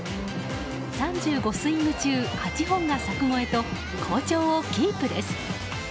３５スイング中８本が柵越えと好調をキープです。